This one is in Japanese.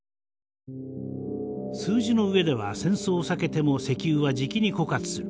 数字の上では戦争を避けても石油はじきに枯渇する。